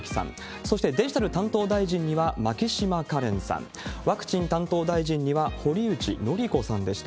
そしてデジタル担当大臣には牧島かれんさん、ワクチン担当大臣には堀内詔子さんでした。